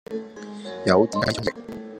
袖子雞中翼